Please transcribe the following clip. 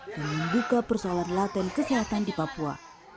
dan membuka persoalan laten kesehatan di papua